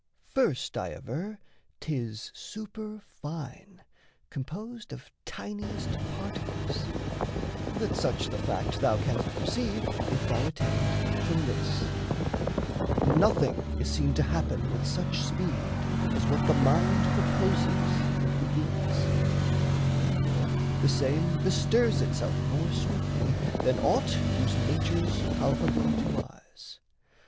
First, I aver, 'tis superfine, composed Of tiniest particles that such the fact Thou canst perceive, if thou attend, from this: Nothing is seen to happen with such speed As what the mind proposes and begins; Therefore the same bestirs itself more swiftly Than aught whose nature's palpable to eyes.